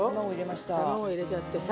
卵入れちゃってさ。